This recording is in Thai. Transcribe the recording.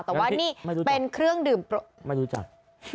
แต่ว่านี่ไม่รู้จักเป็นเครื่องดื่มไม่รู้จัก